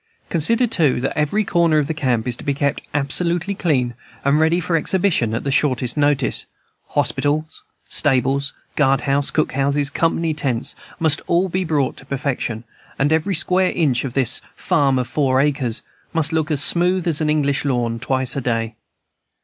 Consider, too, that every corner of the camp is to be kept absolutely clean and ready for exhibition at the shortest notice; hospital, stables, guard house, cook houses, company tents, must all be brought to perfection, and every square inch of this "farm of four acres" must look as smooth as an English lawn, twice a day.